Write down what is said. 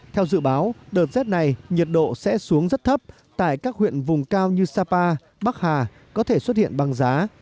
theo dự báo đợt rét này nhiệt độ sẽ xuống rất thấp tại các huyện vùng cao như sapa bắc hà có thể xuất hiện bằng giá